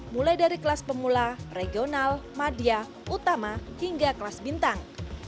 mulai dari kelas pemula regional madia utama hingga kelas bintang